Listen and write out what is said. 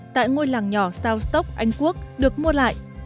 tại ngôi làng nhỏ southstock anh quốc được mua lại